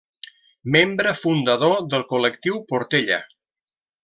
Membre fundador del Col·lectiu Portella.